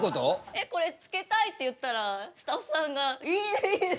えこれつけたいって言ったらスタッフさんが「いいねいいね！」